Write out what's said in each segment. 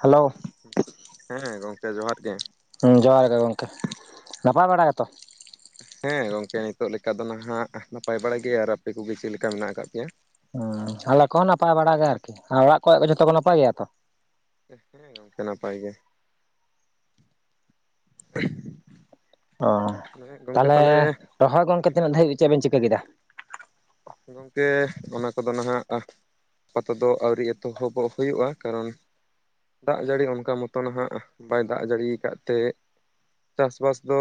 Hello ᱦᱮᱸ ᱜᱚᱝᱠᱮ ᱡᱚᱦᱟᱨ ᱜᱮ ᱦᱩᱸ ᱡᱚᱦᱟᱨ ᱜᱮ ᱜᱚᱝᱠᱮ, ᱱᱟᱯᱟᱭ ᱵᱟᱲᱟ ᱜᱮᱛᱚ? ᱦᱮᱸ ᱜᱚᱝᱠᱮ ᱱᱤᱛᱚᱜ ᱞᱮᱠᱟ ᱫᱚ ᱱᱟᱦᱟᱜ ᱱᱟᱯᱟᱭ ᱵᱟᱲᱟ ᱜᱮᱭᱟ ᱟᱨ ᱟᱯᱮ ᱠᱚᱜᱮ ᱪᱮᱜ ᱞᱮᱠᱟ ᱢᱮᱱᱟᱜ ᱟᱠᱟᱜ ᱯᱮᱭᱟ ᱦᱩᱸ ᱟᱞᱮ ᱠᱚᱦᱚᱸ ᱱᱟᱯᱟᱭ ᱵᱟᱲᱟ ᱜᱮ ᱟᱨᱠᱤ ᱟᱨ ᱚᱲᱟᱜ ᱠᱚᱨᱮᱜ ᱫᱚ ᱡᱷᱚᱛᱚ ᱠᱚ ᱱᱟᱯᱟᱭ ᱜᱮᱭᱟ ᱛᱚ ᱦᱮᱸ ᱜᱚᱝᱠᱮ ᱱᱟᱯᱟᱭ ᱜᱮ [inaudible] ᱚ ᱛᱟᱦᱚᱞᱮ ᱨᱚᱦᱚᱭ ᱜᱚᱝᱠᱮ ᱛᱤᱱᱟᱹᱜ ᱫᱟᱹᱨᱤᱡ ᱪᱮᱫ ᱵᱮᱱ ᱪᱤᱠᱟᱹ ᱠᱮᱫᱟ ᱜᱚᱝᱠᱮ ᱚᱱᱟ ᱠᱚᱫᱚ ᱱᱟᱦᱟᱜ ᱟᱯᱟᱛᱚ ᱫᱚ ᱟᱹᱣᱨᱤ ᱮᱛᱚᱦᱚᱵᱚᱜ ᱦᱩᱭᱩᱜᱼᱟ ᱠᱟᱨᱚᱱ ᱫᱟᱜ ᱡᱟᱹᱲᱤ ᱚᱱᱠᱟ ᱢᱚᱛᱚ ᱱᱟᱦᱟᱜ ᱵᱟᱭ ᱫᱟᱜ ᱡᱟᱹᱲᱤ ᱠᱟᱜ ᱛᱮ ᱪᱟᱥᱵᱟᱥ ᱫᱚ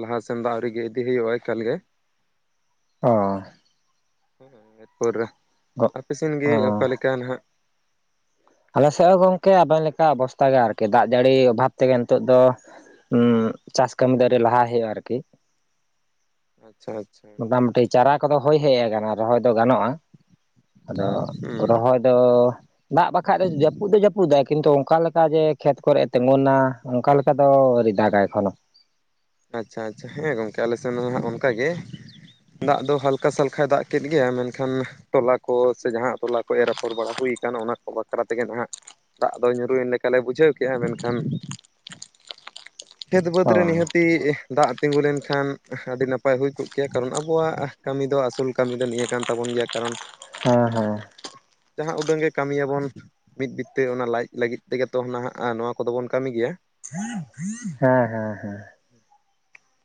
ᱞᱟᱦᱟᱥᱮᱱ ᱫᱚ ᱟᱣᱨᱤ ᱜᱮ ᱤᱫᱤ ᱦᱩᱭᱩᱜᱼᱟ ᱮᱠᱟᱞ ᱜᱮ᱾ ᱚ ᱦᱮᱸ ᱮᱫᱯᱩᱨᱮ ᱜᱚ ᱟᱯᱮᱥᱱ ᱚ ᱜᱤᱭ ᱚᱠᱟ ᱞᱮᱠᱟ ᱱᱟᱦᱟᱜ ᱟᱞᱮ ᱥᱮᱜ ᱦᱚ ᱜᱚᱝᱠᱮ ᱟᱵᱮᱱ ᱞᱮᱠᱟ ᱚᱵᱚᱥᱛᱟ ᱜᱮ ᱟᱨᱠᱤ ᱫᱟᱜ ᱡᱟᱹᱲᱤ ᱚᱵᱷᱟᱵ ᱛᱮᱜᱮ ᱱᱤᱛᱚᱜ ᱫᱚ ᱦᱩᱸ ᱪᱟᱥ ᱠᱟᱹᱢᱤ ᱫᱚ ᱟᱣᱨᱤ ᱞᱟᱦᱟ ᱦᱳᱭᱳᱜ-ᱟ ᱟᱨᱠᱤ ᱟᱪᱪᱷᱟ ᱟᱪᱪᱷᱟ ᱢᱳᱴᱟᱢᱩᱴᱤ ᱪᱟᱨᱟ ᱠᱚᱫᱚ ᱦᱳᱭ ᱦᱮᱡ ᱠᱟᱱᱟ ᱨᱚᱦᱚᱭ ᱫᱚ ᱜᱟᱱᱚᱜᱼᱟ ᱟᱫᱚ ᱦᱩᱸ ᱨᱚᱦᱚᱭ ᱟᱫᱚ ᱫᱟᱜ ᱵᱟᱠᱷᱟᱡ ᱫᱚ ᱡᱟᱹᱯᱩᱫ ᱫᱚ ᱡᱟᱹᱯᱩᱫᱟᱭ ᱠᱤᱱᱛᱩ ᱚᱝᱠᱟ ᱞᱮᱠᱟ ᱡᱮ ᱠᱷᱮᱛ ᱠᱚᱨᱮᱜ ᱮ ᱛᱮᱸᱜᱚᱱᱟ ᱚᱝᱠᱟ ᱞᱮᱠᱟ ᱫᱚ ᱟᱨᱤ ᱫᱟᱜᱟᱭ ᱮᱠᱷᱚᱱ ᱦᱚᱸ ᱟᱪᱪᱷᱟ ᱟᱪᱪᱷᱟ ᱦᱮᱸ ᱜᱚᱝᱠᱮ ᱟᱞᱮ ᱥᱮᱱ ᱦᱚᱸ ᱦᱟᱸᱜ ᱚᱱᱠᱟ ᱜᱮ ᱫᱟᱜ ᱫᱚ ᱦᱟᱞᱠᱟ ᱥᱟᱞᱠᱷᱟᱭ ᱫᱟᱜ ᱠᱮᱫ ᱜᱮᱭᱟ ᱢᱮᱱᱠᱷᱟᱱ ᱛᱚᱞᱟ ᱠᱚ ᱥᱮ ᱡᱟᱦᱟᱸ ᱛᱚᱞᱟ ᱠᱚ ᱮᱨᱟᱯᱷᱚᱨ ᱵᱟᱲᱟ ᱦᱩᱭ ᱠᱟᱱ ᱚᱱᱟ ᱠᱚ ᱵᱟᱠᱷᱨᱟ ᱛᱮᱜᱮ ᱱᱟᱦᱟᱜ ᱫᱟᱜ ᱫᱚᱭ ᱧᱩᱨᱩᱭᱮᱱ ᱞᱮᱠᱟᱞᱮ ᱵᱩᱡᱷᱟᱹᱣ ᱠᱮᱜᱼᱟ ᱢᱮᱱᱠᱷᱟᱱ [inaudible] ᱠᱷᱮᱛ ᱵᱟᱹᱫᱽ ᱚ ᱨᱮ ᱱᱤᱦᱟᱹᱛ ᱛᱤᱡ ᱫᱟᱜ ᱛᱤᱸᱜᱩ ᱞᱮᱱᱠᱷᱟᱱ ᱟᱹᱰᱤ ᱱᱟᱯᱟᱭ ᱦᱩᱭ ᱠᱚᱜ ᱠᱮᱭᱟ ᱠᱟᱨᱚᱱ ᱟᱵᱚᱣᱟᱜ ᱠᱟᱹᱢᱤ ᱫᱚ ᱟᱥᱩᱞ ᱠᱟᱹᱢᱤ ᱫᱚ ᱱᱤᱭᱟᱹ ᱠᱟᱱ ᱛᱟᱵᱚᱱ ᱜᱮᱭᱟ ᱠᱟᱨᱚᱱ ᱦᱮᱸ ᱦᱮᱸ ᱡᱟᱦᱟᱸ ᱩᱰᱟᱹᱝ ᱜᱮ ᱠᱟᱹᱢᱤᱭᱟᱵᱚᱱ ᱢᱤᱫ ᱵᱤᱛᱛᱟᱹ ᱚᱱᱟ ᱞᱟᱡ ᱞᱟᱹᱜᱤᱫ ᱛᱮᱜᱮᱛᱚ ᱱᱟᱦᱟᱜ ᱱᱚᱣᱟ ᱠᱚᱫᱚ ᱵᱚᱱ ᱠᱟᱹᱢᱤ ᱜᱮᱭᱟ ᱦᱮᱸ ᱦᱮᱸ ᱦᱮᱸ [inaudible]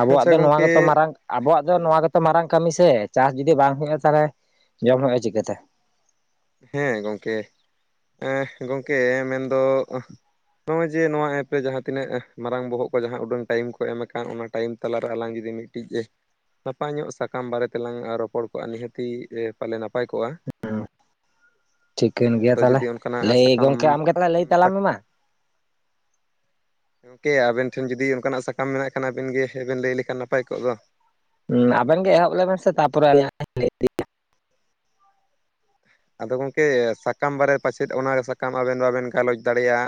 ᱟᱵᱚᱣᱟᱜ ᱟᱪᱪᱷᱟ ᱫᱚ ᱱᱚᱣᱟ ᱜᱚᱝᱠᱮ ᱜᱮᱛᱚ ᱢᱟᱨᱟᱝ ᱟᱵᱚᱣᱟᱜ ᱫᱚ ᱦᱮᱸ ᱱᱚᱣᱟ ᱜᱮᱛ ᱛᱚ ᱢᱟᱨᱟᱝ ᱠᱟᱹᱢᱤ ᱥᱮ ᱪᱟᱥ ᱡᱩᱫᱤ ᱵᱟᱝ ᱦᱩᱭᱩᱜᱼᱟ ᱛᱟᱦᱚᱞᱮ ᱡᱚᱢ ᱦᱩᱭᱩᱜᱼᱟ ᱪᱤᱠᱟᱹᱛᱮ ᱦᱮᱸ ᱜᱚᱝᱠᱮ ᱮᱸ ᱜᱚᱝᱠᱮ ᱢᱮᱱᱫᱚ ᱱᱚᱜᱼᱚᱭ ᱡᱮ ᱱᱚᱣᱟ ᱮᱯ ᱨᱮ ᱡᱟᱦᱟᱸ ᱛᱤᱱᱟᱹᱜ ᱢᱟᱨᱟᱝ ᱵᱚᱦᱚᱜ ᱠᱚ ᱡᱟᱦᱟᱸ ᱩᱰᱟᱹᱝ ᱴᱟᱭᱤᱢ ᱠᱚ ᱮᱢ ᱟᱠᱟᱱ ᱚᱱᱟ ᱴᱟᱭᱤᱢ ᱛᱟᱞᱟᱨᱮ ᱟᱞᱟᱝ ᱡᱩᱫᱤ ᱢᱤᱫ ᱴᱤᱡ ᱱᱟᱯᱟᱭ ᱧᱚᱜ ᱥᱟᱠᱟᱢ ᱵᱟᱨᱮ ᱛᱮᱞᱟᱝ ᱟᱨᱚᱯᱚᱲ ᱠᱚᱜᱼᱟ ᱱᱤᱦᱟᱹᱛᱤ ᱯᱟᱞᱮ ᱱᱟᱯᱟᱭ ᱠᱚᱜᱼᱟ᱾ ᱴᱷᱤᱠᱟᱹᱱ ᱦᱮᱸ ᱜᱮᱭᱟ ᱟᱫᱚ ᱛᱟᱦᱞᱮ ᱡᱩᱫᱤ ᱚᱱᱠᱟᱱᱟᱜ ᱞᱟᱹᱭ ᱥᱟᱠᱟᱢ ᱜᱚᱝᱠᱮ ᱟᱢ ᱜᱮ ᱛᱟᱦᱞᱮ ᱞᱟᱹᱭ ᱛᱟᱞᱟᱝ ᱢᱮ ᱢᱟ ᱜᱚᱢᱠᱮ ᱟᱵᱮᱱ ᱴᱷᱮᱱ ᱡᱩᱫᱤ ᱱᱚᱠᱟᱱᱟᱜ ᱥᱟᱠᱟᱢ ᱢᱮᱱᱟᱜ ᱠᱷᱟᱱ ᱟᱵᱤᱱ ᱜᱮ ᱦᱮᱵᱮᱱ ᱞᱟᱹᱭ ᱞᱮᱠᱷᱟᱱ ᱱᱟᱯᱟᱭ ᱠᱚᱜ ᱫᱚ ᱩᱸ ᱟᱵᱮᱱ ᱜᱮ ᱮᱦᱚᱵ ᱞᱮᱵᱮᱱ ᱥᱮ ᱛᱟᱯᱚᱨᱮ ᱟᱞᱤᱧ ᱦᱟᱸᱜ ᱞᱤᱧ [unintelligible] ᱟᱫᱚ ᱜᱚᱝᱠᱮ ᱥᱟᱠᱟᱢ ᱵᱟᱨᱮ ᱯᱟᱪᱮᱫ ᱚᱱᱟ ᱥᱟᱠᱟᱢ ᱟᱵᱮᱱ ᱵᱟᱵᱮᱱ ᱜᱟᱞᱚᱪ ᱫᱟᱲᱮᱭᱟᱜᱼᱟ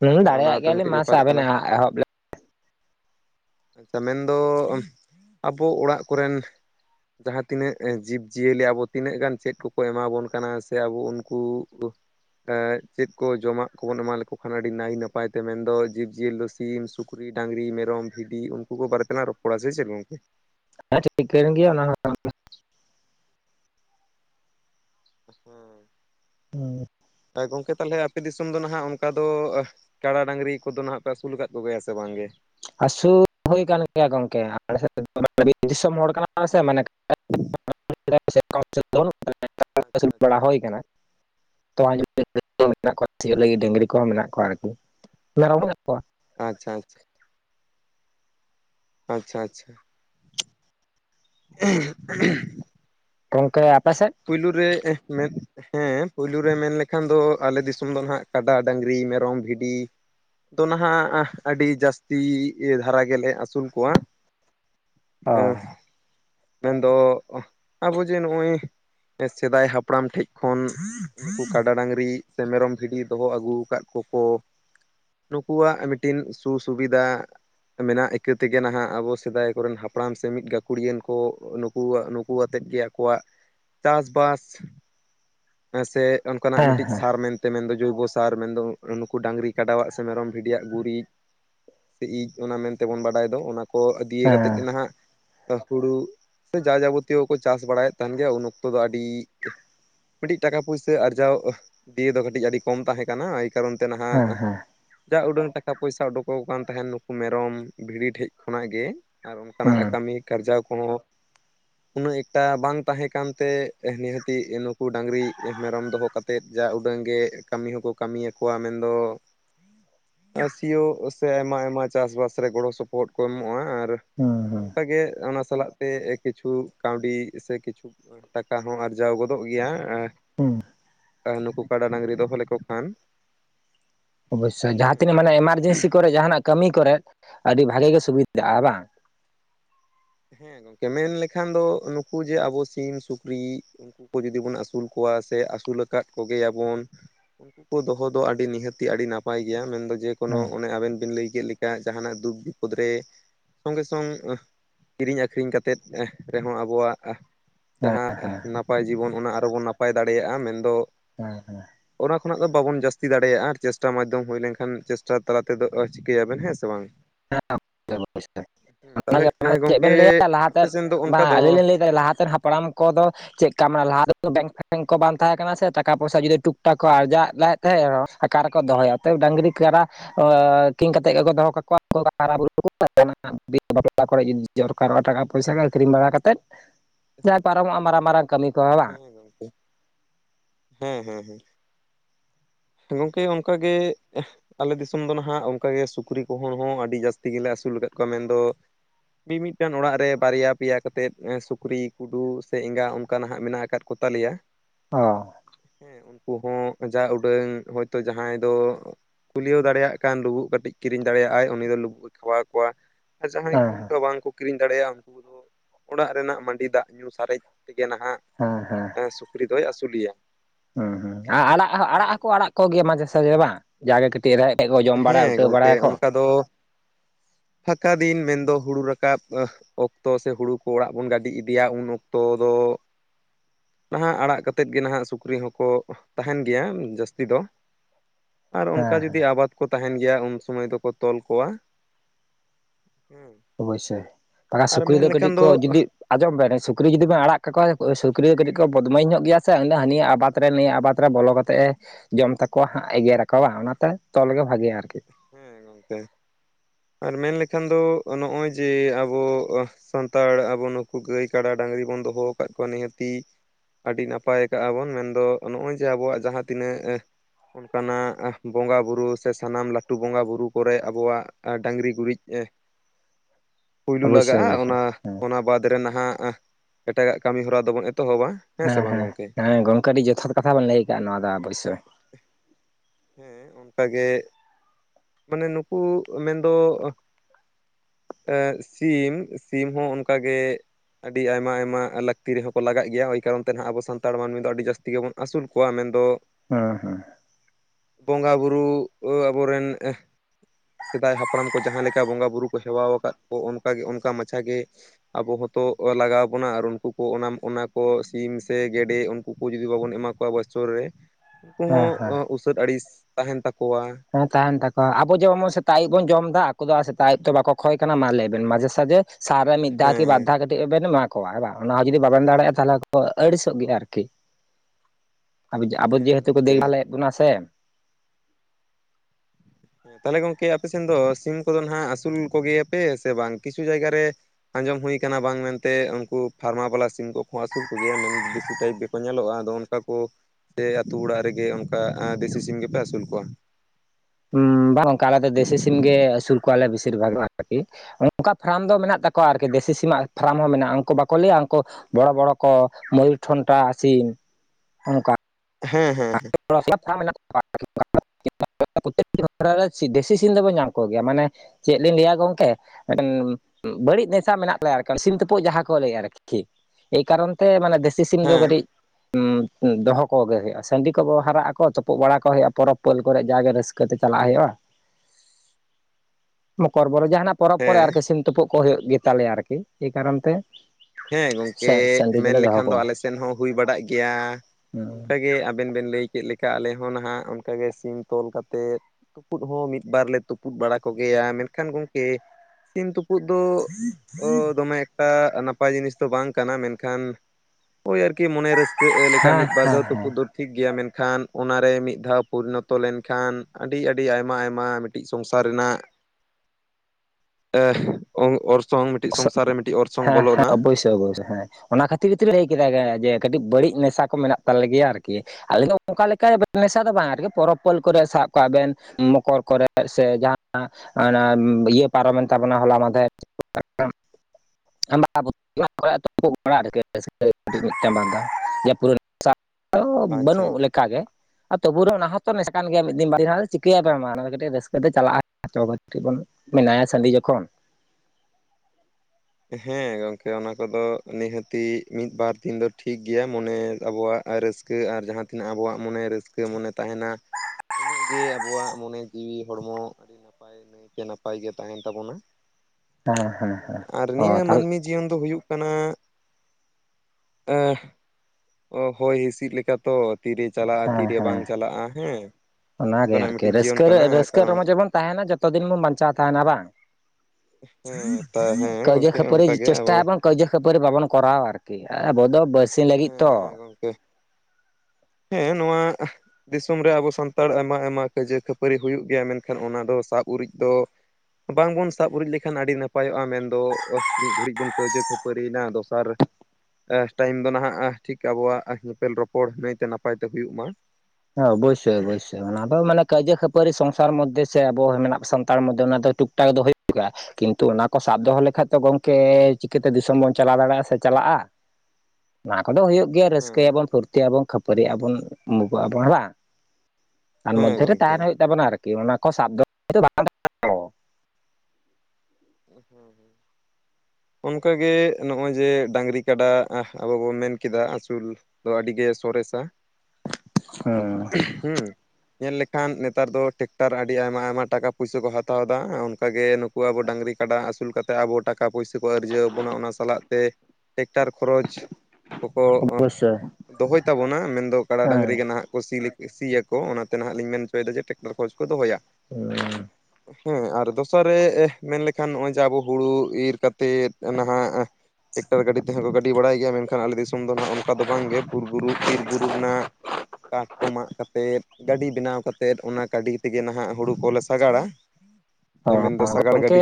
ᱦᱩᱸ ᱫᱟᱲᱮᱭᱟᱜ ᱜᱮᱭᱟᱞᱤᱢ ᱢᱟᱥᱮ ᱵᱮᱯᱟᱨ ᱟᱵᱮᱱ ᱠᱟᱱᱟ ᱦᱟᱸᱜ ᱮᱦᱚᱵ ᱞᱮ ᱟᱪᱪᱷᱟ ᱢᱮᱱᱫᱚ ᱟᱵᱚ ᱚᱲᱟᱜ ᱠᱚᱨᱮᱱ ᱡᱟᱦᱟᱸ ᱛᱤᱱᱟᱹᱜ ᱡᱤᱵᱽ-ᱡᱤᱭᱟᱹᱞᱤ ᱟᱵᱚ ᱛᱤᱱᱟᱹᱜ ᱜᱟᱱ ᱪᱮᱫ ᱠᱚ ᱠᱚ ᱮᱢᱟᱵᱚᱱ ᱠᱟᱱᱟ ᱥᱮ ᱟᱵᱚ ᱩᱱᱠᱩ ᱟᱸ ᱪᱮᱫ ᱠᱚ ᱡᱚᱢᱟᱜ ᱠᱚᱵᱚᱱ ᱮᱢᱟ ᱞᱮᱠᱚ ᱠᱷᱟᱱ ᱟᱹᱰᱤ ᱱᱟᱭ ᱱᱟᱯᱟᱭ ᱛᱮ ᱢᱮᱱᱫᱚ ᱡᱤᱵ ᱡᱤᱭᱟᱹᱞᱤ ᱫᱚ ᱥᱤᱢ ᱥᱩᱠ ᱥᱩᱠᱷᱨᱤ ᱰᱟᱝᱨᱤ ᱢᱮᱨᱚᱢ ᱵᱷᱤᱰᱤ ᱩᱱᱠᱩ ᱠᱚ ᱵᱟᱨᱮ ᱛᱮᱱᱟᱜ ᱨᱚᱯᱚᱲᱟ ᱥᱮ ᱪᱮᱫ ᱜᱚᱝᱠᱮ ᱟᱨ ᱪᱮᱫ ᱠᱟᱱ ᱜᱮᱭᱟ ᱚᱱᱟᱢᱟ ᱦᱮᱸ ᱦᱚ ᱦᱚᱸ ᱜᱚᱝᱠᱮ ᱛᱟᱦᱚᱞᱮ ᱟᱯᱮ ᱫᱤᱥᱚᱢ ᱫᱚ ᱱᱟᱦᱟᱜ ᱚᱱᱠᱟ ᱫᱚ ᱠᱟᱲᱟ ᱰᱟᱝᱨᱤ ᱠᱚᱫᱚ ᱱᱟᱜ ᱯᱮ ᱟᱹᱥᱩᱞ ᱟᱠᱟᱫ ᱠᱚᱜᱮᱭᱟ ᱥᱮ ᱵᱟᱝᱜᱮ? ᱦᱟᱹᱥᱩ ᱦᱩᱭ ᱠᱟᱱ ᱜᱮᱭᱟ ᱜᱚᱝᱠᱮ ᱟᱞᱮ ᱥᱮᱫ ᱵᱤᱨ ᱫᱤᱥᱚᱢ ᱦᱚᱲ ᱠᱟᱱᱟᱞᱮ ᱥᱮ ᱢᱟᱱᱮ [unintelligible] ᱥᱮᱱ ᱟᱪᱪᱷᱟ ᱵᱟᱲᱟ ᱟᱪᱪᱷᱟ ᱦᱩᱭ ᱟᱠᱟᱱᱟ [unintelligible] ᱥᱤᱭᱳᱜ ᱞᱟᱹᱜᱤᱫ ᱰᱟᱝᱨᱤ ᱠᱚᱦᱚᱸ ᱢᱮᱱᱟᱜ ᱠᱚᱣᱟ ᱟᱨᱠᱤ ᱨᱟᱵᱟᱝ ᱮᱫ ᱠᱚᱣᱟ ᱟᱪᱪᱷᱟ ᱟᱪᱪᱷᱟ ᱟᱪᱪᱷᱟ ᱟᱪᱪᱷᱟ [unintelligible] ᱜᱚᱢᱠᱮ ᱟᱯᱮ ᱥᱮᱫ ᱯᱩᱭᱞᱩ ᱨᱮ ᱢᱮᱫ ᱦᱮᱸ ᱯᱳᱭᱞᱳ ᱨᱮ ᱢᱮᱱ ᱞᱮᱠᱷᱟᱱ ᱫᱚ ᱟᱞᱮ ᱫᱤᱥᱚᱢ ᱫᱚ ᱦᱟᱜ ᱠᱟᱰᱟ ᱰᱟᱹᱝᱨᱤ ᱢᱮᱨᱚᱢ ᱵᱷᱤᱰᱤ ᱟᱫᱚ ᱱᱟᱦᱟᱜ ᱟᱹᱰᱤ ᱡᱟᱹᱥᱛᱤ ᱤᱭᱟᱹ ᱫᱷᱟᱨᱟ ᱜᱮᱞᱮ ᱟᱹᱥᱩᱞ ᱠᱚᱣᱟ ᱚ ᱦᱮᱸ ᱢᱮᱱᱫᱚ ᱟᱵᱚ ᱡᱮ ᱱᱚᱜᱼᱚᱭ ᱥᱮᱫᱟᱭ ᱦᱟᱯᱲᱟᱢ ᱴᱷᱮᱡ ᱠᱷᱚᱱ ᱱᱩᱠᱩ ᱠᱟᱰᱟ ᱰᱝᱨᱤ ᱥᱮ ᱢᱮᱨᱚᱢ ᱵᱷᱤᱰᱤ ᱫᱚᱦᱚ ᱟᱹᱜᱩ ᱟᱠᱟᱫ ᱠᱚᱠᱚ ᱱᱩᱠᱩᱣᱟᱜ ᱢᱤᱫᱴᱤᱱ ᱥᱩ ᱥᱩᱵᱤᱫᱷᱟ ᱢᱮᱱᱟᱜ ᱠᱷᱟᱹ ᱛᱮᱜᱮ ᱱᱟᱦᱟᱜ ᱟᱵᱚ ᱥᱮᱫᱟᱭ ᱠᱚᱨᱮᱱ ᱦᱟᱯᱲᱟᱢ ᱥᱮ ᱢᱤᱫ ᱜᱟᱹᱠᱷᱩᱲᱤᱭᱟᱹᱱ ᱠᱚ ᱱᱩᱠᱩᱣᱟᱜ ᱱᱩᱠᱩ ᱟᱛᱮᱜ ᱜᱮ ᱟᱠᱚᱣᱟᱜ ᱪᱟᱥᱵᱟᱥ ᱦᱮᱸ ᱥᱮ ᱚᱱᱠᱟᱱᱟᱜ ᱦᱮᱸ ᱦᱮᱸ ᱢᱤᱫᱴᱤᱡ ᱥᱟᱨ ᱢᱮᱱᱛ ᱛᱮ ᱢᱮᱱᱫᱚ ᱡᱳᱭᱵᱚᱥᱟᱨ ᱢᱮᱱᱫᱚ ᱱᱩᱠᱩ ᱰᱟᱹᱟᱝᱨᱤ ᱠᱟᱰᱟᱣᱟᱜ ᱥᱮ ᱢᱮᱨᱚᱢ ᱵᱷᱤᱰᱤᱭᱟᱜ ᱜᱩᱨᱤᱡ ᱥᱤᱢ ᱤᱡ ᱚᱱᱟ ᱢᱮᱱᱛᱮᱵᱚᱱ ᱵᱟᱰᱟᱭ ᱫᱚ ᱚᱱᱟ ᱠᱚ ᱫᱤᱭᱮᱹ ᱠᱚᱛᱮ ᱦᱮᱸ ᱜᱮ ᱱᱟᱦᱟᱜ ᱦᱩᱲᱩ ᱥᱮ ᱡᱟ ᱡᱟᱵᱚᱛᱤᱭᱚ ᱠᱚ ᱪᱟᱥ ᱵᱟᱲᱟᱭᱮᱫ ᱛᱟᱦᱮᱱ ᱜᱮᱭᱟ ᱩᱱ ᱚᱠᱛᱚ ᱫᱚ ᱟᱹᱰᱤ ᱠᱟᱹᱴᱤᱡ ᱴᱟᱠᱟ ᱯᱩᱭᱥᱟᱹ ᱟᱨᱡᱟᱣ ᱫᱤᱭᱮ ᱫᱚ ᱠᱟᱹᱴᱤᱡ ᱟᱹᱰᱤ ᱠᱚᱢ ᱛᱟᱦᱮᱸ ᱠᱟᱱᱟ ᱮᱭ ᱠᱟᱨᱚᱱ ᱛᱮ ᱱᱟᱦᱟᱜ ᱦᱮᱸ ᱦᱮᱸ ᱡᱟ ᱩᱰᱟᱹᱝ ᱴᱟᱠᱟ ᱯᱚᱭᱥᱟ ᱩᱰᱩᱠᱚᱜ ᱟᱠᱟᱱ ᱛᱟᱸᱦᱮᱫ ᱱᱩᱠᱩ ᱢᱮᱨᱚᱢ ᱵᱷᱤᱲᱤ ᱴᱷᱮᱡ ᱠᱷᱚᱱᱟᱜ ᱜᱮ ᱟᱨ ᱚᱱᱠᱟᱱᱟᱜ ᱦᱩᱸ ᱠᱟᱹᱢᱤ ᱠᱟᱨᱡᱟᱣ ᱠᱚᱦᱚᱸ ᱩᱱᱟᱹᱜ ᱮᱠᱴᱟ ᱵᱟᱝ ᱛᱟᱦᱮᱸ ᱠᱟᱱᱛᱮ ᱱᱤᱦᱟᱹᱛᱤ ᱱᱩᱠᱩ ᱰᱟᱝᱨᱤ ᱢᱮᱨᱚᱢ ᱫᱚᱦᱚ ᱠᱟᱛᱮᱫ ᱡᱟ ᱩᱰᱟᱹᱝ ᱜᱮ ᱠᱟᱹᱢᱤ ᱦᱚᱸᱠᱚ ᱠᱟᱹᱢᱤᱭᱟᱠᱚᱣᱟ ᱢᱮᱱᱫᱚ [unintelligible] ᱟᱨ ᱥᱤᱭᱳᱜ ᱥᱮ ᱟᱭᱢᱟ ᱟᱭᱢᱟ ᱪᱟᱥ ᱵᱟᱥ ᱨᱮ ᱜᱚᱲᱚ ᱥᱚᱯᱚᱦᱚᱫ ᱠᱚ ᱮᱢᱚᱜᱼᱟ ᱟᱨ ᱦᱩᱸ ᱦᱩᱸ ᱚᱱᱠᱟᱜᱮ ᱚᱱᱟ ᱥᱟᱞᱟᱜ ᱛᱮ ᱠᱤᱪᱷᱩ ᱠᱟᱹᱣᱰᱤ ᱥᱮ ᱠᱤᱪᱷᱩ ᱴᱟᱠᱟ ᱦᱚᱸ ᱟᱨᱡᱟᱣ ᱜᱚᱫᱚᱜ ᱜᱮᱭᱟ ᱟᱨ ᱦᱩᱸ ᱟᱨ ᱱᱩᱠᱩ ᱠᱟᱰᱟ ᱰᱟᱝᱨᱤ ᱫᱚᱦᱚ ᱞᱮᱠᱚ ᱠᱷᱟᱱ ᱚᱵᱚᱥᱥᱳ ᱡᱟᱦᱟᱸ ᱦᱮᱸ ᱛᱤᱱᱟᱹᱜ ᱢᱟᱱᱮ ᱮᱢᱟᱨᱡᱮᱱᱥᱤ ᱠᱚᱨᱮ ᱡᱟᱦᱟᱱᱟᱜ ᱠᱟᱹᱢᱤ ᱠᱚᱨᱮ ᱟᱹᱰᱤ ᱵᱷᱟᱜᱤ ᱜᱮ ᱥᱩᱵᱤᱫᱷᱟᱜᱼᱟ ᱵᱟᱝ ᱦᱮᱸ ᱜᱚᱝᱠᱮ ᱢᱮᱱ ᱞᱮᱠᱷᱟᱱ ᱫᱚ ᱱᱩᱠᱩ ᱡᱮ ᱟᱵᱚ ᱥᱤᱢ ᱥᱩᱠᱨᱤ ᱩᱱᱠᱩ ᱠᱚ ᱡᱩᱫᱤ ᱵᱚᱱ ᱟᱹᱥᱩᱞ ᱠᱚᱣᱟ ᱥᱮ ᱟᱹᱥᱩᱞ ᱟᱠᱟᱫ ᱠᱚᱜᱮᱭᱟᱵᱚᱱ ᱩᱱᱠᱩ ᱠᱚ ᱫᱚᱦᱚ ᱫᱚ ᱟᱹᱰᱤ ᱱᱤᱦᱟᱹᱛᱤ ᱟᱹᱰᱤ ᱱᱟᱯᱟᱭ ᱜᱮᱭᱟ ᱢᱮᱱᱫᱚ ᱡᱮ ᱠᱚᱱᱳ ᱦᱮᱸ ᱚᱱᱮ ᱟᱵᱮᱱ ᱵᱮᱱ ᱞᱟᱹᱭ ᱠᱮᱫ ᱞᱮᱠᱟ ᱡᱟᱦᱟᱱᱟᱜ ᱫᱩᱠ ᱵᱤᱯᱚᱫ ᱨᱮ ᱥᱚᱸᱜᱮ ᱥᱚᱝ ᱠᱤᱨᱤᱧ ᱟᱹᱠᱷᱨᱤᱧ ᱠᱟᱛᱮᱫ ᱨᱮᱦᱚᱸ ᱟᱵᱚᱣᱟᱜ ᱦᱮᱸ ᱡᱟᱦᱟᱸ ᱱᱟᱯ ᱴ--ᱟᱭ ᱡᱤᱵᱚᱱ ᱚᱱᱟ ᱟᱨᱦᱚᱵᱚᱱ ᱱᱟᱯᱟᱭ ᱫᱟᱲᱮᱭᱟᱜᱼᱟ ᱢᱮᱱᱫᱚ ᱦᱮᱸ ᱦᱮᱸ ᱚᱱᱟ ᱠᱷᱚᱱᱟᱜ ᱫᱚ ᱵᱟᱵᱚᱱ ᱡᱟᱹᱥᱛᱤ ᱫᱟᱲᱮᱭᱟᱜᱼᱟ ᱟᱨ ᱪᱮᱥᱴᱟ ᱢᱟᱫᱽᱫᱷᱚᱢ ᱦᱩᱭ ᱞᱮᱱᱠᱷᱟᱱ ᱪᱮᱥᱴᱟ ᱛᱟᱞᱟ ᱛᱮᱫᱚ ᱪᱤᱠᱟᱹᱭᱟᱵᱱ ᱦᱮᱸ ᱥᱮ ᱵᱟᱝ ᱦᱮᱸ ᱦᱚᱸ ᱛᱟᱦᱚᱞᱮ ᱚᱱᱟᱜᱮ ᱢᱟᱱᱮ ᱦᱮᱸ ᱪᱮᱫ ᱜᱚᱝᱠᱮ ᱵᱮᱱ ᱞᱟᱹᱭᱟ ᱞᱟᱦᱟᱛᱮ ᱟᱯᱮ ᱥᱮᱱ ᱫᱚ ᱚᱱᱠᱟ ᱵᱟᱝ ᱫᱚ ᱟᱹᱞᱤᱧ ᱞᱤᱧ ᱞᱟᱹᱭ ᱮᱫᱟ ᱞᱟᱦᱟᱛᱮᱱ ᱦᱟᱯᱲᱟᱢ ᱠᱚᱫᱚ ᱪᱮᱫ ᱞᱮᱠᱟ ᱢᱟᱱᱮ ᱞᱟᱦᱟ ᱛᱮᱫᱚ ᱵᱮᱝᱠ ᱯᱷᱮᱸᱠ ᱠᱚ ᱵᱟᱝ ᱛᱟᱦᱮᱸ ᱠᱟᱱᱟ ᱥᱮ ᱴᱟᱠᱟ ᱯᱚᱭᱥᱟ ᱡᱩᱫᱤ ᱴᱩᱠ ᱴᱟᱠ ᱠᱚ ᱟᱨᱡᱟᱜ ᱣᱮᱫ ᱜᱚᱝᱠᱮ ᱟᱠᱟ ᱨᱮᱠᱚ ᱫᱚᱦᱚᱭᱟ ᱰᱟᱝᱨᱤ ᱠᱟᱰᱟ ᱠᱤᱨᱤᱧ ᱠᱟᱛᱮᱫ ᱜᱮᱠᱚ ᱫᱚᱦᱚ ᱠᱟᱠᱚᱣᱟ [unintelligible] ᱫᱚᱨᱠᱟᱨᱚᱜᱼᱟ ᱴᱟᱠᱟ ᱯᱚᱭᱥᱟ ᱟᱹᱠᱷᱨᱤᱧ ᱵᱟᱲᱟ ᱠᱟᱛᱮᱫ ᱾ ᱡᱟ ᱯᱟᱨᱚᱢᱚᱜᱼᱟ ᱢᱟᱨᱟᱝ ᱢᱟᱨᱟᱝ ᱠᱟᱹᱢᱤ ᱾ ᱦᱮᱸ ᱜᱚᱝᱠᱮ ᱦᱮᱸ ᱦᱮᱸ ᱦᱮᱸ ᱾ ᱜᱚᱝᱠᱮ ᱚᱱᱠᱟᱜᱮ [inaudible] ᱟᱞᱮ ᱫᱤᱥᱚᱢ ᱫᱚ ᱱᱟᱦᱟᱜ ᱚᱱᱠᱟᱜᱮ ᱥᱩᱠᱨᱤ ᱠᱚᱦᱚᱸ ᱦᱚᱸ ᱟᱹᱰᱤ ᱡᱟᱹᱥᱛᱤ ᱜᱮᱞᱮ ᱟᱹᱥᱩᱞ ᱟᱠᱟᱫ ᱠᱚᱣᱟ ᱢᱮᱱᱫᱚ, ᱢᱤᱼᱢᱤᱫᱴᱟᱝ ᱚᱲᱟᱜ ᱨᱮ ᱵᱟᱨᱭᱟ ᱯᱮᱭᱟ ᱠᱟᱛᱮᱫ ᱥᱩᱠᱨᱤ ᱠᱩᱰᱩ ᱥᱮ ᱮᱸᱜᱟ ᱚᱱᱠᱟᱱᱟᱜ ᱦᱟᱸᱜ ᱢᱮᱱᱟᱜ ᱟᱠᱟᱫ ᱠᱚᱛᱟᱞᱮᱭᱟ, ᱚ ᱦᱮᱸ ᱩᱱᱠᱩ ᱦᱚᱸ ᱡᱟ ᱩᱰᱟᱹᱝ ᱦᱚᱭᱛᱳ ᱡᱟᱦᱟᱸᱭ ᱫᱚ᱾ ᱠᱩᱞᱭᱟᱹᱣ ᱫᱟᱲᱮᱭᱟᱜ ᱠᱟᱱ ᱞᱩᱵᱩᱜ ᱠᱟᱹᱴᱤᱡ ᱠᱤᱨᱤᱧ ᱫᱟᱲᱮᱭᱟᱜᱼᱟᱭ ᱩᱱᱤ ᱫᱚ ᱞᱩᱵᱩᱜ ᱮ ᱠᱷᱟᱣᱟ ᱠᱚᱣᱟ ᱟᱨ ᱡᱟᱦᱟᱸᱭ ᱠᱚ ᱦᱮᱸ ᱩᱱᱠᱟ ᱵᱟᱝᱠᱚ ᱠᱤᱨᱤᱧ ᱫᱟᱲᱮᱭᱟᱜ ᱩᱱᱠᱩ ᱫᱚ ᱚᱲᱟᱜ ᱨᱮᱱᱟᱜ ᱢᱟᱺᱰᱤ ᱫᱟᱜ ᱧᱩ ᱥᱟᱨᱮᱡ ᱛᱮᱜᱮ ᱱᱟᱦᱟᱜ ᱦᱮᱸ ᱦᱮᱸ ᱥᱩᱠᱨᱤ ᱫᱚᱭ ᱟᱹᱥᱩᱞ ᱮᱭᱟ ᱾ ᱦᱩᱸ ᱦᱩᱸ ᱟᱨ ᱟᱲᱟᱜ ᱟᱲᱟᱜ ᱦᱚᱸᱠᱚ ᱟᱲᱟᱜ ᱠᱚᱜᱮᱭᱟ ᱢᱟᱡᱷᱮ ᱥᱟᱡᱷᱮ ᱵᱟᱝ ᱡᱟᱜᱮ ᱫᱚ ᱠᱟᱹᱴᱤᱡ ᱾ ᱛᱮᱨᱟ ᱟᱠᱚ ᱡᱚᱢ ᱵᱟᱲᱟᱭᱟ ᱩᱴᱟᱹ ᱵᱟᱲᱟᱭᱟᱠᱚ᱾ ᱟᱫᱚ ᱯᱷᱟᱸᱠᱟ ᱫᱤᱱ ᱢᱮᱱᱫᱚ ᱦᱩᱲᱩ ᱨᱟᱠᱟᱵ-ᱟ ᱚᱠᱛᱚ ᱥᱮ ᱦᱩᱲᱩ ᱠᱚ ᱚᱲᱟᱜ ᱵᱚᱱ ᱜᱟᱹᱰᱤ ᱤᱫᱤᱭᱟ ᱩᱱ ᱚᱠᱛᱚ ᱫᱚ, ᱱᱟᱦᱟᱜ ᱟᱲᱟᱜ ᱠᱟᱛᱮᱫ ᱜᱮ ᱱᱟᱦᱟᱜ ᱥᱩᱠᱨᱤ ᱦᱚᱸᱠᱚ ᱛᱟᱦᱮᱱ ᱜᱮᱭᱟ ᱡᱟᱹᱥᱛᱤ ᱫᱚ᱾ [unintelligible] ᱟᱨ ᱚᱱᱠᱟ ᱡᱩᱫᱤ ᱟᱵᱟᱫ ᱠᱚ ᱛᱟᱦᱮᱱ ᱜᱮᱭᱟ ᱩᱱ ᱥᱚᱢᱚᱭ ᱫᱚᱠᱚ ᱛᱚᱞ ᱠᱚᱣᱟ᱾ ᱦᱮᱸ ᱚᱵᱚᱥᱳᱭ ᱵᱟᱠᱷᱟᱡ ᱟᱨ ᱥᱩᱠᱨᱤ ᱢᱮᱱ ᱫᱚ ᱞᱮᱠᱷᱟᱱ ᱠᱟᱹᱴᱤᱡ ᱠᱚ ᱡᱩᱫᱤ᱾ ᱟᱸᱚᱢ ᱵᱮᱱ ᱥᱩᱠᱨᱤ ᱡᱩᱫᱤ ᱵᱮᱱ ᱟᱲᱟᱜ ᱠᱟᱠᱚᱣᱟ ᱥᱩᱠᱨᱤ ᱫᱚ ᱠᱟᱹᱴᱤᱡ ᱠᱚ ᱵᱚᱫᱽᱢᱟᱥ ᱧᱚᱜ ᱜᱮᱭᱟ ᱥᱮ, ᱩᱱᱫᱚ ᱦᱟᱹᱱᱤ ᱟᱵᱟᱫᱽ᱾ ᱨᱮ ᱱᱤᱭᱟᱹ ᱟᱵᱟᱫᱽ ᱨᱮ ᱵᱚᱞᱚ ᱠᱟᱛᱮᱜ ᱮ ᱡᱚᱢ ᱛᱟᱠᱚᱣᱟ ᱦᱟᱸᱜ ᱮᱜᱮᱨ ᱟᱠᱚ ᱚᱱᱟᱛᱮ ᱛᱚᱞ ᱜᱮ ᱵᱷᱟᱜᱮᱹᱭᱟ ᱟᱨᱠᱤ, ᱦᱮᱸ ᱜᱚᱝᱠᱮ ᱟᱨ ᱢᱮᱱ ᱞᱮᱠᱷᱟᱱ ᱫᱚ ᱱᱚᱜᱼᱚᱭ ᱡᱮᱹ ᱟᱵᱚ᱾ ᱥᱟᱱᱛᱟᱲ ᱟᱵᱚ ᱱᱩᱠᱩ ᱜᱟᱹᱭ ᱠᱟᱰᱟ ᱰᱟᱝᱨᱤ ᱵᱚᱱ ᱫᱚᱦᱚ ᱟᱠᱟᱫ ᱠᱚᱣᱟ ᱱᱤᱦᱟᱹᱛᱤ, ᱟᱹᱰᱤ ᱱᱟᱯᱟᱭ ᱟᱠᱟᱜᱼᱟ ᱵᱚᱱ ᱢᱮᱱᱫᱚ ᱱᱚᱜᱼᱚᱭ ᱡᱮᱹ ᱟᱵᱚᱣᱟᱜ ᱡᱟᱦᱟᱸᱛᱤᱱᱟᱹᱜ ᱚᱱᱠᱟᱱᱟᱜ ᱵᱚᱸᱜᱟ ᱵᱩᱨᱩ ᱥᱮ ᱥᱟᱱᱟᱢ ᱞᱟ ᱮᱠᱴᱩ ᱵᱚᱸᱜᱟ ᱵᱩᱨᱩ ᱠᱚᱨᱮ ᱟᱵᱚᱣᱟᱜ ᱰᱟᱝᱨᱤ ᱜᱩᱨᱤᱡ᱾ ᱯᱩᱭᱞᱩ ᱚᱵᱚᱥᱥᱳᱭ ᱞᱟᱜᱟᱜᱼᱟ ᱚᱵᱚᱥᱥᱳᱭ ᱚᱱᱟ, ᱚᱱᱟ ᱵᱟᱫᱽ ᱨᱮ ᱱᱟᱦᱟᱜ ᱮᱴᱟᱜᱟᱜ ᱠᱟᱹᱢᱤ ᱦᱚᱨᱟ ᱫᱚᱵᱚᱱ ᱮᱛᱚᱦᱚᱵᱟ᱾ ᱦᱮᱸ ᱥᱮ ᱵᱟᱝ ᱦᱮᱸ ᱜᱚᱝᱠᱮ ᱦᱮᱸ ᱜᱚᱝᱠᱮ ᱟᱹᱰᱤ ᱡᱚᱛᱷᱟᱛ ᱠᱟᱛᱷᱟ ᱵᱚᱱ ᱞᱟᱹᱭ ᱟᱠᱟᱫ ᱱᱚᱣᱟ ᱫᱚ ᱚᱵᱚᱥᱳᱭ᱾ ᱦᱮᱸ ᱚᱱᱠᱟᱜᱮ ᱢᱟᱱᱮ ᱱᱩᱠᱩ ᱢᱮᱱᱫᱚ ᱮ ᱥᱤᱢ, ᱥᱤᱢ ᱦᱚᱸ ᱚᱱᱠᱟᱜᱮ᱾ ᱟᱹᱰᱤ ᱟᱭᱢᱟ ᱟᱭᱢᱟ ᱞᱟᱹᱠᱛᱤ ᱨᱮᱸᱦᱚ ᱠᱚ ᱞᱟᱜᱟᱜ ᱜᱮᱭᱟ ᱚᱭ ᱠᱟᱨᱚᱱ ᱛᱮ ᱱᱟᱦᱟᱜ ᱟᱵᱚ ᱥᱟᱱᱛᱟᱲ ᱢᱟᱹᱱᱢᱤ ᱫᱚ ᱟᱹᱰᱤ ᱡᱟᱹᱥᱛᱤ ᱜᱮᱵᱚᱱ ᱟᱹᱥᱩᱞ ᱠᱚᱣᱟ ᱢᱮᱱᱫᱚ᱾ ᱦᱮᱸ ᱦᱮᱸ ᱵᱚᱸᱜᱟ ᱵᱩᱨᱩ ᱟᱵᱚᱨᱮᱱ ᱮᱸ ᱥᱮᱫᱟᱭ ᱦᱟᱯᱲᱟᱢ ᱠᱚ ᱡᱟᱦᱟᱸ ᱞᱮᱠᱟ ᱵᱚᱸᱜᱟᱼ ᱵᱩᱨᱩ ᱠᱚ ᱦᱮᱣᱟ ᱟᱠᱟᱫ ᱠᱚ ᱚᱱᱠᱟᱜᱮ ᱚᱱᱠᱟ ᱢᱟᱪᱷᱟ ᱜᱮ, ᱟᱵᱚ ᱦᱚᱸᱛᱚ ᱞᱟᱜᱟᱣ ᱟᱵᱚᱱᱟ ᱟᱨ ᱩᱱᱠᱩ ᱠᱚ ᱚᱱᱟ ᱚᱱᱟ ᱠᱚ ᱥᱤᱢ ᱥᱮ ᱜᱮᱰᱮ, ᱩᱱᱠᱩ ᱠᱚ ᱡᱩᱫᱤ ᱵᱟᱵᱚᱱ ᱮᱢᱟ ᱠᱚᱣᱟ ᱵᱚᱪᱷᱚᱨ ᱨᱮ ᱩᱱᱠᱩ ᱦᱮᱸ ᱦᱚᱸ ᱦᱮᱸ ᱩᱥᱟᱹᱫ ᱟᱹᱲᱤᱥ ᱛᱟᱦᱮᱸᱱ ᱛᱟᱠᱚᱣᱟ, ᱦᱮᱸ ᱛᱟᱦᱮᱱ ᱛᱟᱠᱚᱣᱟ, ᱟᱵᱚ ᱡᱮᱢᱚᱱ ᱥᱮᱛᱟᱜ ᱟᱹᱭᱩᱵ ᱵᱚᱱ ᱡᱚᱢ ᱮᱫᱟ ᱟᱠᱚ ᱫᱚ ᱥᱮᱛᱟᱜ ᱟᱹᱭᱩᱵ ᱫᱚ ᱵᱟᱠᱚ ᱠᱷᱚᱭ ᱠᱟᱱᱟ ᱢᱟ ᱞᱟᱹᱭᱵᱮᱱ ᱢᱟᱡᱷᱮ ᱥᱟᱡᱷᱮ ᱥᱟᱞ ᱨᱮ ᱢᱤᱫ ᱫᱷᱟᱣ ᱠᱤ ᱵᱟᱨ ᱦᱮᱸ ᱫᱷᱟᱣ ᱠᱟᱛᱮ ᱠᱟᱹᱴᱤᱡ ᱵᱮᱱ ᱮᱢᱟ ᱠᱚᱣᱟ ᱮ ᱵᱟᱝ ᱚᱱᱟ ᱦᱚᱸ ᱡᱩᱫᱤ ᱵᱟᱵᱮᱱ ᱫᱟᱲᱮᱭᱟᱜᱼᱟ ᱛᱟᱦᱚᱞᱮ ᱟᱹᱲᱤᱥᱚᱜ ᱜᱮᱭᱟ ᱟᱹᱨᱠᱤ ᱾ ᱟᱵᱚ ᱦᱮᱸ ᱡᱮᱦᱮᱛᱩ ᱠᱚ ᱫᱮᱠ ᱜᱚᱝᱠᱮ ᱵᱷᱟᱞ ᱮᱫ ᱵᱚᱱᱟ ᱥᱮ, ᱛᱟᱦᱚᱞᱮ ᱜᱚᱝᱠᱮ ᱟᱯᱮ ᱥᱮᱱ ᱫᱚ ᱥᱤᱢ ᱠᱚᱫᱚ ᱱᱟᱦᱟᱜ ᱟᱹᱥᱩᱞ ᱠᱚᱜᱮᱭᱟᱯᱮ ᱥᱮ ᱵᱟᱝ ᱠᱤᱪᱷᱩ ᱡᱟᱭᱜᱟ ᱨᱮ ᱟᱸᱡᱚᱢ ᱦᱩᱭ ᱠᱟᱱᱟ ᱵᱟᱝ ᱢᱮᱱᱛᱮ ᱩᱱᱠᱩ ᱯᱷᱟᱨᱢᱟ ᱵᱟᱞᱟ ᱥᱤᱢ ᱠᱚᱠᱚ ᱟᱹᱥᱩᱞ ᱠᱚᱜᱮᱭᱟ ᱢᱮᱱ ᱫᱮᱥᱤ ᱴᱟᱭᱤᱯ ᱜᱮᱠᱚ ᱧᱮᱞᱚᱜᱼᱟ ᱟᱫᱚ ᱚᱠᱟ ᱥᱮ ᱟᱛᱳ ᱚᱲᱟᱜ ᱨᱮᱜᱮ ᱚᱱᱠᱟ ᱫᱮᱥᱤ ᱥᱤᱢ ᱜᱮᱯᱮ ᱟᱹᱥᱩᱞ ᱠᱚᱣᱟ, ᱦᱩᱸ ᱵᱟᱝ ᱚᱱᱠᱟ ᱟᱞᱮ ᱫᱚ ᱫᱮᱥᱤ ᱥᱤᱢ ᱜᱮ ᱟᱹᱥᱩᱞ ᱠᱚᱣᱟᱞᱮ ᱵᱮᱥᱤᱨ ᱵᱷᱟᱜ ᱟᱹᱨᱠᱤ ᱚᱱᱠᱟ ᱯᱷᱨᱟᱢ ᱫᱚ ᱢᱮᱱᱟᱜ ᱛᱟᱠᱚᱣᱟ ᱟᱹᱨᱠᱤ ᱫᱮᱥᱤ ᱥᱤᱢᱟᱜ ᱯᱷᱨᱟᱢ ᱦᱚᱸ ᱢᱮᱱᱟᱜᱼᱟ ᱩᱱᱠᱩ ᱵᱟᱠᱚ ᱞᱟᱹᱭᱟ ᱩᱱᱠᱩ ᱵᱚᱲᱚ ᱵᱚᱲᱚ ᱠᱚ ᱢᱚᱭᱩᱨ ᱴᱷᱚᱱᱴᱟ ᱥᱤᱢ ᱚᱱᱠᱟ, ᱦᱮᱸ ᱦᱮᱸ ᱦᱮᱸ [unintelligible] ᱫᱮᱥᱤ ᱥᱤᱢ ᱫᱚᱵᱚᱱ ᱧᱟᱢ ᱠᱚᱜᱮᱭᱟ ᱢᱟᱱᱮ ᱪᱮᱫ ᱞᱤᱧ ᱞᱟᱹᱭᱟ ᱜᱚᱢᱠᱮ ᱢᱤᱫᱴᱮᱱ ᱵᱟᱹᱲᱤᱡ ᱱᱮᱥᱟ ᱢᱮᱱᱟᱜ ᱛᱟᱞᱮᱭᱟ ᱟᱨᱠᱤ ᱥᱤᱢ ᱛᱩᱯᱩᱜ ᱡᱟᱦᱟᱸ ᱠᱚ ᱞᱟᱹᱭᱮᱫ ᱟᱨᱠᱤ ᱮᱭ ᱠᱟᱨᱚᱱ ᱛᱮ ᱢᱟᱱᱮ ᱫᱮᱥᱤ ᱥᱤᱢ ᱫᱚ ᱦᱮᱸ ᱠᱟᱹᱴᱤᱡ ᱫᱚᱦᱚ ᱠᱚᱜᱮ ᱦᱩᱭᱩᱜ ᱟ ᱥᱟᱺᱰᱤ ᱠᱚ ᱠᱚ ᱦᱟᱨᱟᱜ ᱟᱠᱚ ᱛᱩᱯᱩᱜ ᱵᱟᱲᱟ ᱠᱚ ᱦᱩᱭᱩᱜᱼᱟ ᱯᱚᱨᱚᱵᱽ ᱯᱟᱹᱞ ᱠᱚᱨᱮ ᱡᱟᱜᱮ ᱨᱟᱹᱥᱠᱟᱹ ᱛᱮ ᱪᱟᱞᱟᱜ ᱦᱩᱭᱩᱜᱼᱟ ᱢᱚᱠᱚᱨᱵᱚᱞᱮ ᱡᱟᱦᱟᱱᱟᱜ ᱯᱚᱨᱚᱵᱽ ᱠᱚᱨᱮ ᱦᱮᱸ ᱟᱨᱠᱤ ᱥᱤᱢ ᱛᱩᱯᱩᱜ ᱠᱚ ᱦᱩᱭᱩᱜ ᱜᱮᱛᱟᱞᱮᱭᱟ ᱟᱨᱠᱤ ᱮᱭ ᱠᱟᱨᱚᱱ ᱛᱮ ᱦᱮᱸ ᱜᱚᱝᱠᱮ ᱥᱟᱺᱰᱤ ᱫᱚᱞᱮ ᱢᱮᱱ ᱫᱚᱦᱚ ᱞᱮᱠᱷᱟᱱ ᱫᱚ ᱠᱚᱣᱟ ᱟᱞᱮ ᱥᱮᱫ ᱦᱚᱸ ᱦᱩᱭ ᱵᱟᱲᱟᱜ ᱜᱮᱭᱟ ᱦᱮᱸ ᱚᱱᱠᱟᱜᱮ ᱟᱵᱮᱱ ᱵᱮᱱ ᱞᱟᱹᱭ ᱠᱮᱫ ᱞᱮᱠᱟ ᱟᱞᱮ ᱦᱚᱸ ᱱᱟᱦᱟᱜ ᱚᱱᱠᱟᱜᱮ ᱥᱤᱢ ᱛᱚᱞ ᱠᱟᱛᱮᱫ ᱛᱩᱯᱩᱫ ᱦᱚᱸ ᱢᱤᱫᱵᱟᱨ ᱞᱮ ᱛᱩᱯᱩᱫ ᱵᱟᱲᱟ ᱠᱚᱜᱮᱭᱟ ᱢᱮᱱᱠᱷᱟᱱ ᱜᱚᱢᱠᱮ ᱥᱤᱢ ᱛᱩᱯᱩᱫ ᱫᱚ ᱫᱚᱢᱮ ᱮᱠᱴᱟ ᱱᱟᱯ ᱱᱟᱯᱟᱭ ᱡᱤᱱᱤᱥ ᱫᱚ ᱵᱟᱝ ᱠᱟᱱᱟ ᱢᱮᱱᱠᱷᱟᱱ ᱳᱭ ᱟᱨᱠᱤ ᱢᱚᱱᱮ ᱨᱟᱹᱥᱠᱟᱹᱜ ᱞᱮᱠᱟ ᱦᱮᱸ ᱢᱤᱫ ᱵᱟᱨ ᱦᱮᱸ ᱫᱷᱟᱣ ᱛᱩᱯᱩᱜ ᱫᱚ ᱴᱷᱤᱠ ᱜᱮᱭᱟ ᱢᱮᱱᱠᱷᱟᱱ ᱚᱱᱟᱨᱮ ᱢᱤᱫ ᱫᱷᱟᱣ ᱯᱚᱨᱤᱱᱚᱛᱚ ᱞᱮᱱᱠᱷᱟᱱ ᱟᱹᱰᱤ ᱟᱹᱰᱤ ᱟᱭᱢᱟ ᱟᱭᱢᱟ ᱠᱟᱹᱴᱤᱡ ᱥᱚᱝᱥᱟᱨ ᱨᱮᱱᱟᱜ [unintelligible] ᱮ [unintelligible] [unintelligible] ᱦᱮᱸ ᱦᱮᱸ ᱚᱵᱚᱥᱚᱭ ᱚᱵᱚᱥ ᱦᱮᱸ ᱾ ᱚᱱᱟ ᱠᱷᱟᱹᱛᱤᱨ ᱜᱮᱛᱤᱧ ᱞᱟᱹᱭ ᱠᱮᱫᱟ ᱡᱮ ᱠᱟᱹᱴᱤᱡ ᱵᱟᱹᱲᱤᱡ ᱱᱮᱥᱟ ᱠᱚ ᱢᱮᱱᱟᱜ ᱛᱟᱞᱮ ᱜᱮᱭᱟ ᱟᱨᱠᱤ ᱾ ᱟᱞᱤᱧ ᱫᱚ ᱚᱱᱠᱟ ᱞᱮᱠᱟ ᱱᱮᱥᱟ ᱫᱚ ᱵᱟᱝᱟ ᱟᱨᱠᱤ ᱯᱚᱨᱚᱵᱽ ᱯᱟᱹᱞ ᱠᱚᱨᱮ ᱥᱟᱵ ᱠᱟᱜ ᱵᱮᱱ ᱢᱚᱠᱚᱨ ᱠᱚᱨᱮ ᱥᱮ ᱡᱟᱦᱱᱟᱜ ᱚᱱᱟ ᱤᱭᱟᱹ ᱯᱟᱨᱚᱢᱮᱱ ᱛᱟᱵᱚᱱᱟ ᱦᱚᱞᱟ ᱢᱟᱫᱷᱮᱨ [unintelligible] ᱟᱢᱟᱵᱚᱛᱤ ᱠᱚᱨᱮ ᱛᱳᱯᱳᱫ ᱵᱟᱲᱟᱜ [unintelligible] ᱟᱪᱪᱷᱟ ᱵᱟᱹᱱᱩᱜ ᱞᱮᱠᱟᱜᱮ ᱟᱨ ᱛᱚᱵᱩᱨᱮ ᱚᱱᱟ ᱦᱚᱸᱛᱚ ᱱᱮᱥᱟ ᱠᱟᱱ ᱜᱮᱭᱟ ᱢᱤᱫ ᱫᱤᱱ ᱟᱨ ᱪᱤᱠᱟᱹᱭᱟ ᱯᱮ ᱢᱟ ᱚᱱᱟ ᱠᱟᱹᱴᱤᱡ ᱨᱟᱹᱥᱠᱟᱹ ᱛᱮ ᱪᱟᱞᱟᱜᱼᱟ ᱵᱚᱱ ᱢᱮᱱᱟᱭᱟ ᱥᱟᱺᱰᱤ ᱡᱚᱠᱷᱚᱱ ᱦᱮᱸ ᱜᱚᱢᱠᱮ ᱚᱱᱟ ᱠᱚᱫᱚ ᱱᱤᱦᱟᱹᱛᱤ ᱢᱤᱫ ᱵᱟᱨ ᱫᱤᱱ ᱫᱚ ᱴᱷᱤᱠ ᱜᱮᱭᱟ ᱢᱚᱱᱮ ᱟᱵᱚᱣᱟᱜ ᱨᱟᱹᱥᱠᱟᱹ ᱨᱟᱹᱥᱠᱟᱹ ᱟᱨ ᱡᱟᱦᱟᱸ ᱛᱤᱱᱟᱹᱜ ᱟᱵᱚᱣᱟᱜ ᱢᱚᱱᱮ ᱨᱟᱹᱥᱠᱟᱹ ᱢᱚᱱᱮ ᱛᱟᱦᱮᱱᱟ ᱩᱱᱟᱹᱜ ᱜᱮ ᱟᱵᱚᱣᱟᱜ ᱢᱚᱱᱮ ᱡᱤᱣᱤ ᱦᱚᱲᱢᱚ ᱟᱹᱰᱤ ᱱᱟᱯᱟᱭ ᱾ ᱱᱟᱯᱟᱭ ᱱᱟᱭᱠᱮ ᱱᱟᱯᱟᱭ ᱜᱮ ᱛᱟᱦᱮᱱ ᱛᱟᱵᱚᱱᱟ ᱾ ᱦᱮᱸ ᱦᱮᱸ ᱦᱮᱸ ᱾ ᱱᱤᱭᱟᱹ ᱢᱟᱹᱱᱢᱤ ᱡᱤᱭᱚᱱ ᱫᱚ ᱦᱩᱭᱩᱜ ᱠᱟᱱᱟ ᱟᱺᱦ ᱚ ᱦᱚᱭ ᱦᱤᱸᱥᱤᱫ ᱞᱮᱠᱟ ᱛᱚ ᱛᱤᱨᱮ ᱪᱟᱞᱟᱜᱼᱟ ᱦᱮᱸ ᱛᱤᱨᱮ ᱦᱮᱸ ᱵᱟᱝ ᱪᱟᱞᱟᱜᱼᱟ ᱦᱮᱸ ᱾ ᱚᱱᱟᱜᱮ ᱟᱨᱠᱤ ᱨᱟᱹᱥᱠᱟᱹ ᱨᱟᱹᱥᱠᱟᱹ ᱨᱚᱢᱚᱡ ᱜᱮᱵᱚᱱ ᱛᱟᱦᱮᱱᱟ ᱡᱚᱛᱚ ᱫᱤᱱ ᱵᱚᱱ ᱵᱟᱧᱪᱟᱣ ᱛᱟᱦᱮᱱᱟ ᱵᱟᱝ ᱦᱮᱸ ᱛᱟ ᱦᱮᱸ ᱾ ᱠᱟᱣᱹᱡᱟ ᱜᱚᱝᱠᱮ ᱠᱷᱟᱹᱯᱟᱨᱤ ᱚᱱᱠᱟᱜᱮ ᱪᱮᱥᱴᱟ ᱟᱵᱚ ᱵᱟᱝ ᱠᱟᱹᱭᱡᱟ ᱠᱷᱯᱟᱹᱨᱤ ᱵᱟᱵᱚᱱ ᱠᱚᱨᱟᱣᱟ ᱟᱨᱠᱤ ᱟᱵᱚ ᱫᱚ ᱞᱟᱹᱜᱤᱫ ᱛᱚ ᱦᱮᱸ ᱜᱚᱝᱠᱮ ᱾ ᱦᱮᱸ ᱱᱚᱣᱟ ᱫᱤᱥᱚᱢ ᱨᱮ ᱟᱵᱚ ᱥᱟᱱᱛᱟᱲ ᱟᱭᱢᱟ ᱟᱭᱢᱟ ᱠᱟᱹᱭᱡᱟᱹ ᱠᱷᱟᱹᱯᱟᱹᱨᱤ ᱦᱩᱭᱩᱜ ᱜᱮᱭᱟ ᱢᱮᱱᱠᱷᱟᱱ ᱚᱱᱟ ᱫᱚ ᱥᱟᱵ ᱩᱨᱤᱡ ᱫᱚ ᱵᱟᱝᱵᱚᱱ ᱥᱟᱵ ᱩᱨᱤᱡ ᱞᱮᱠᱷᱟᱱ ᱟᱹᱰᱤ ᱱᱟᱯᱟᱭᱚᱜᱼᱟ ᱾ ᱢᱮᱱᱫᱚ ᱢᱤᱫ ᱜᱷᱟᱲᱤᱡ ᱵᱚᱱ ᱠᱟᱹᱭᱣᱡᱟᱹ ᱠᱷᱟᱹᱯᱟᱹᱨᱤᱭᱮᱱᱟ ᱫᱚᱥᱟᱨ ᱴᱟᱭᱤᱢ ᱫᱚ ᱱᱟᱦᱟᱜ ᱴᱷᱤᱠ ᱟᱵᱚᱣᱟᱜ ᱧᱮᱯᱮᱞ ᱨᱚᱯᱚᱲ ᱱᱟᱹᱭᱛᱮ ᱱᱟᱯᱟᱭ ᱛᱮ ᱦᱩᱭᱩᱜ ᱢᱟ ᱾ ᱦᱮ ᱚᱵᱚᱥᱚᱭ ᱚᱵᱚᱥᱚᱭ ᱾ ᱚᱱᱟ ᱫᱚ ᱢᱟᱱᱮ ᱠᱟᱹᱭᱡᱟᱹ ᱠᱷᱟᱹᱯᱟᱹᱨᱤ ᱥᱚᱝᱥᱟᱨ ᱢᱚᱫᱽᱫᱷᱮ ᱥᱮ ᱟᱵᱚ ᱢᱮᱱᱟᱜ ᱵᱚ ᱥᱟᱱᱛᱟᱲ ᱢᱚᱫᱽᱫᱷᱮ ᱚᱱᱟ ᱫᱚ ᱴᱩᱠ ᱴᱟᱠ ᱫᱚ ᱦᱩᱭᱩᱜ ᱠᱟᱜᱼᱟ ᱠᱤᱱᱛᱩ ᱚᱱᱟ ᱠᱚ ᱥᱟᱵ ᱫᱚᱦᱚ ᱞᱮᱠᱷᱟᱡ ᱛᱚ ᱜᱚᱢᱠᱮ ᱪᱤᱠᱟᱹᱛᱮ ᱫᱤᱥᱚᱢ ᱵᱚᱱ ᱪᱟᱞᱟᱣ ᱫᱟᱲᱮᱭᱟᱜᱼᱟ ᱥᱮ ᱪᱟᱞᱟᱜᱼᱟ? ᱚᱱᱟ ᱠᱚᱫᱚ ᱦᱩᱭᱩᱜ ᱜᱮᱭᱟ ᱦᱮᱸ ᱨᱟᱹᱥᱠᱟᱹᱭᱟᱵᱚᱱ ᱯᱷᱚᱨᱛᱤ ᱟᱵᱚᱱ ᱠᱷᱟᱹᱯᱟᱹᱨᱤ ᱟᱵᱚᱱ ᱩᱢᱩᱜᱚᱜ ᱟᱵᱚᱱ ᱵᱟᱝ? ᱛᱟᱨ ᱦᱮᱸ ᱢᱚᱫᱽᱫᱷᱮᱨᱮ ᱜᱚᱝᱠᱮ ᱛᱟᱦᱮᱱ ᱦᱩᱭᱩᱜ ᱛᱟᱵᱚᱱᱟ ᱟᱨᱠᱤ ᱚᱱᱟ ᱠᱚ ᱥᱟᱵ ᱫᱚ ᱵᱟᱝ [unintelligible] ᱚᱱᱠᱟᱜᱮ ᱱᱚᱜᱼᱚᱭ ᱡᱮ ᱰᱟᱹᱝᱨᱤ ᱠᱟᱰᱟ ᱟᱵᱚ ᱵᱚᱱ ᱢᱮᱱ ᱟᱷ ᱠᱮᱫᱟ ᱟᱹᱥᱩᱞ ᱫᱚ ᱟᱹᱰᱤᱜᱮ ᱥᱚᱨᱮᱥᱟ ᱾ ᱦᱮᱸ ᱦᱩᱸ, ᱧᱮᱞ ᱞᱮᱠᱷᱟᱱ ᱱᱮᱛᱟᱨ ᱫᱚ ᱴᱮᱠᱴᱟᱨ ᱟᱹᱰᱤ ᱟᱭᱢᱟ ᱟᱭᱢᱟ ᱴᱟᱠᱟ ᱯᱩᱭᱥᱟᱹ ᱠᱚ ᱦᱟᱛᱟᱣ ᱮᱟ ᱚᱱᱠᱟᱜ ᱜᱮ ᱱᱩᱠᱩ ᱟᱵᱚ ᱰᱟᱹᱝᱨᱤ, ᱠᱟᱰᱟ ᱟᱹᱥᱩᱞ ᱠᱟᱛᱮᱫ ᱟᱵᱚ ᱴᱟᱠᱟ ᱯᱩᱭᱥᱟᱹ ᱠᱚ ᱟᱨᱡᱟᱹᱣ ᱵᱚᱱᱟ ᱚᱱᱟ ᱥᱟᱞᱟᱜ ᱛᱮ ᱴᱮᱠᱴᱟᱨ ᱠᱷᱚᱨᱚᱪ ᱠᱚ ᱠᱚ ᱚᱵᱚᱥᱥᱳᱭ ᱫᱚᱦᱚᱭ ᱛᱟᱵᱚᱱᱟ ᱢᱮᱱ ᱫᱚ ᱠᱟᱰᱟ ᱰᱟᱹᱝᱨᱤ ᱦᱮᱸ ᱜᱮ ᱱᱟᱦᱟᱜ ᱠᱚ ᱥᱤ ᱞᱮ ᱤᱥᱤᱭᱟᱠᱚ ᱚᱱᱟᱛᱮ ᱱᱟᱦᱟᱜ ᱞᱤᱧ ᱢᱮᱱ ᱦᱚᱪᱚᱭᱮᱫᱟ ᱡᱮ ᱴᱮᱠᱴᱟᱨ ᱠᱷᱚᱡ ᱠᱚ ᱫᱚᱦᱚᱭᱟ, [unintelligible] ᱦᱮᱸ ᱟᱨ ᱫᱚᱥᱟᱨ ᱨᱮ ᱢᱮᱱ ᱞᱮᱠᱷ ᱮᱱᱠᱷᱟᱱ ᱱᱚᱜᱼᱚᱭ ᱡᱮ ᱟᱵᱚ ᱦᱩᱲᱩ ᱤᱨ ᱠᱟᱛᱮᱫ ᱱᱟᱦᱟᱜ ᱴᱮᱠᱴᱟᱨ ᱜᱟᱹᱰᱤ ᱛᱮᱦᱚᱸ ᱠᱚ ᱜᱟᱹᱰᱤ ᱵᱟᱲᱟᱭ ᱜᱮᱭᱟ ᱢᱮᱱᱠᱷᱟᱱ ᱟᱞᱮ ᱫᱤᱥᱚᱢ ᱫᱚ ᱦᱟᱸᱜ ᱚᱱᱠᱟ ᱫᱚ ᱵᱟᱝ ᱜᱮ ᱩᱞ ᱵᱩᱞᱩ ᱵᱤᱨ ᱵᱩᱨᱩ ᱨᱮᱱᱟᱜ ᱠᱟᱜ ᱠᱚ ᱢᱟᱜ ᱠᱟᱛᱮᱫ, ᱜᱟᱹᱰᱤ ᱵᱮᱱᱟᱣ ᱠᱟᱛᱮᱫ ᱚᱱᱟ ᱜᱟᱹᱰᱤ ᱛᱮᱜᱮ ᱱᱟᱦᱟᱜ ᱦᱩᱲᱩ ᱠᱚᱞᱮ ᱥᱟᱜᱟᱲᱟ ᱫᱚ ᱢᱮᱱ ᱫᱚ ᱥᱟᱜᱟᱲ ᱜᱟᱰᱤ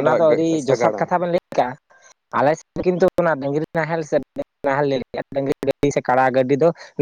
ᱚᱱᱟᱫᱚ ᱟᱹᱰᱤ ᱡᱚᱛᱷᱟᱛ ᱠᱟᱛᱷᱟ ᱵᱮᱱ ᱞᱟᱹᱭ ᱠᱟᱜᱼᱟ ᱾ ᱟᱞᱮ ᱥᱮᱫ ᱫᱚ ᱠᱤᱱᱛᱩ ᱚᱱᱟ ᱰᱟᱝᱨᱤ ᱱᱟᱦᱮᱞ [unintelligible] ᱥᱮ ᱰᱟᱹᱝᱨᱤ ᱜᱟᱹᱰᱤ ᱥᱮ ᱠᱟᱲᱟ ᱜᱟᱹᱰᱤ ᱫᱚ ᱾